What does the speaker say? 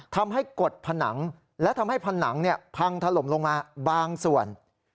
กดผนังและทำให้ผนังพังถล่มลงมาบางส่วน